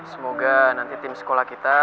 semoga nanti tim sekolah kita